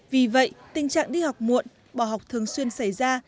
vì vậy tình trạng đi học muộn bỏ học thường xuyên xảy ra